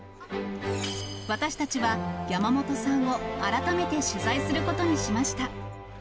私たちは山本さんを改めて取材することにしました。